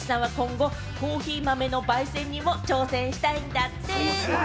竹内さんは今後、コーヒー豆の焙煎にも挑戦したいんだって！